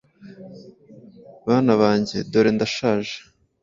bana bange dore ndashaje,